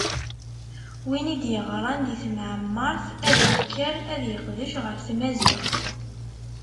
Win i d-yeɣṛan di temɛemmeṛt ad ikker ad iqdec ɣef tmaziɣt.